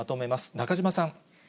中島さん。